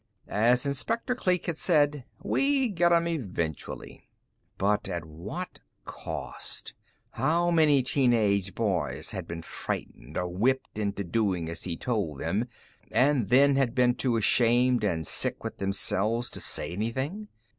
As Inspector Kleek had said, we get 'em eventually.... ... _But at what cost? How many teenage boys had been frightened or whipped into doing as he told them and then been too ashamed and sick with themselves to say anything?